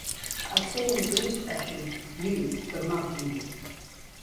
I'd say in the Buddhist fashion You, but not you